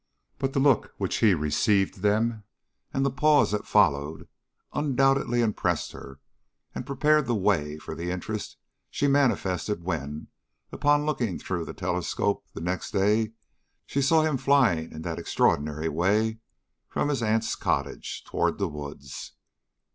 But the look with which he received them, and the pause that followed, undoubtedly impressed her, and prepared the way for the interest she manifested when, upon looking through the telescope the next day, she saw him flying in that extraordinary way from his aunt's cottage toward the woods.